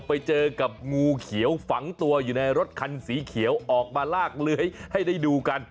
ไปเจอกับงูเขียวฝังตัวอยู่ในรถคันสีเขียวออกมาลากเลื้อยให้ได้ดูกัน